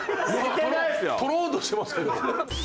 トローンとしてますけど。